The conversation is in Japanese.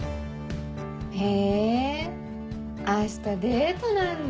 へぇ明日デートなんだ。